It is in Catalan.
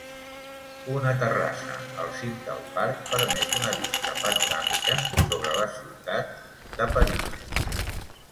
Una terrassa al cim del parc permet una vista panoràmica sobre la ciutat de París.